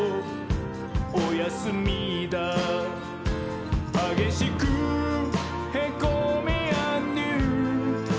おやすみだー」「はげしくへこみーあんどゆー」